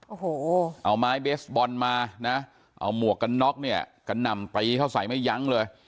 โอ้โหเอาไม้เบสบอลมานะเอาหมวกกันน็อกเนี่ยกระหน่ำปรีเข้าใส่ไม่ยั้งเลย